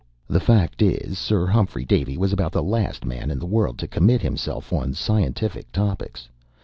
The fact is, Sir Humphrey Davy was about the last man in the world to commit himself on scientific topics.